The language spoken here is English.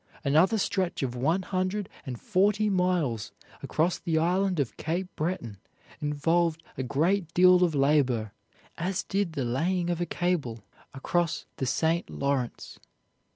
Another stretch of one hundred and forty miles across the island of Cape Breton involved a great deal of labor, as did the laying of a cable across the St. Lawrence.